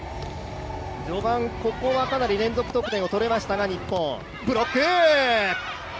序盤、ここはかなり連続得点を取れましたが日本。